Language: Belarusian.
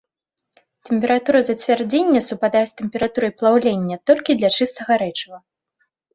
Тэмпература зацвярдзення супадае з тэмпературай плаўлення толькі для чыстага рэчыва.